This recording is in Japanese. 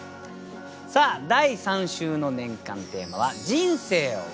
さあ第３週の年間テーマは「人生を詠う」でございます。